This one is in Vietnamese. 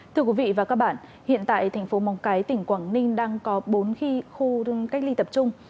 thưa quý vị và các bạn hiện tại thành phố móng cái tỉnh quảng ninh đang có bốn khi khu cách ly tập trung